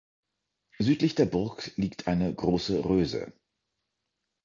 Südlich der Burg liegt eine große Röse.